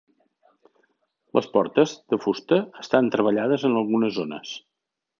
Les portes, de fusta, estan treballades en algunes zones.